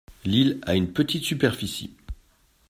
L’île a une petite superficie.